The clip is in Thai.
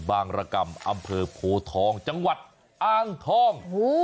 บางรกรรมอำเภอโพทองจังหวัดอ้างทอง